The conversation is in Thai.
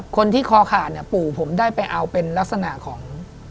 คนที่คอขาดปู่ผมได้ไปเอาเป็นลักษณะของ